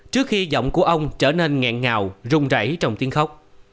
trước khi giọng của ông trở nên ngẹn ngào rung rảy trong tiếng khóc